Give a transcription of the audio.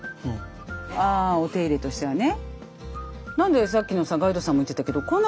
ああお手入れとしてはね。